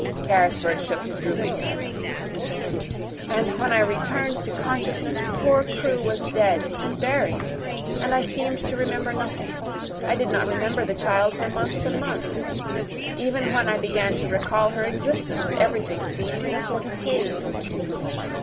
Carrisford shook his drooping head. "And when I returned to consciousness poor Crewe was dead and buried. And I seemed to remember nothing. I did not remember the child for months and months. Even when I began to recall her existence everything seemed in a sort of haze."